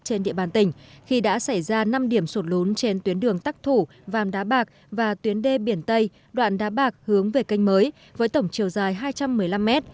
trên địa bàn tỉnh khi đã xảy ra năm điểm sụt lún trên tuyến đường tắc thủ vàm đá bạc và tuyến đê biển tây đoạn đá bạc hướng về canh mới với tổng chiều dài hai trăm một mươi năm m